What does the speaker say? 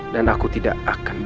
dan aku tidak akan